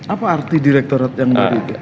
apa arti direktorat yang baru itu